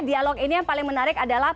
dialog ini yang paling menarik adalah